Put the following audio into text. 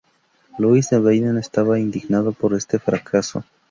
Louis de Baden estaba indignado por este fracaso.